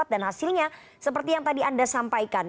dan hasilnya seperti yang tadi anda sampaikan